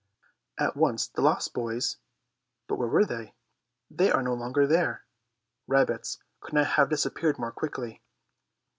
At once the lost boys—but where are they? They are no longer there. Rabbits could not have disappeared more quickly.